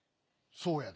「そうやで」？